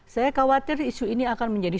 saya khawatir isu ini akan menjadi